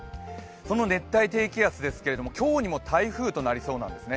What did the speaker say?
その熱帯低気圧ですけども、今日にも台風となりそうなんですね。